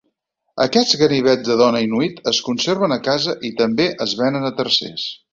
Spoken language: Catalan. Aquests ganivets de dona inuit es conserven a casa i també es venen a tercers.